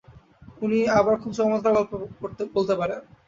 উনি আবার খুব চমৎকার গল্প বলতে পারেন।